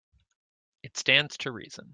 It stands to reason.